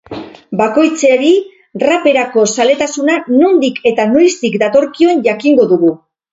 Bakoitzari raperako zaletasuna nondik eta noiztik datorkion jakingo dugu.